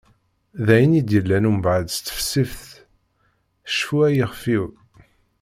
D ayen i d-yellan umbaɛd s tesfift "Cfu ay ixef-iw".